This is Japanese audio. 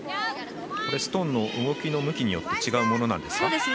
ストーンの動きの向きによって違うものなんですか？